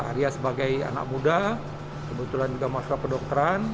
arya sebagai anak muda kebetulan juga masuk ke dokteran